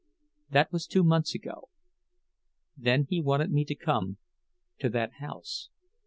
"That was two months ago. Then he wanted me to come—to that house.